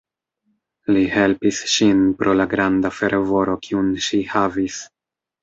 Li helpis ŝin pro la granda fervoro kiun ŝi havis.